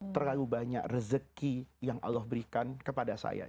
terlalu banyak rezeki yang allah berikan kepada saya